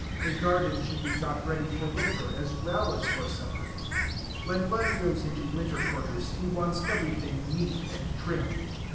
A garden should be got ready for winter as well as for summer. When one goes into winter quarters, he wants everything neat and trim.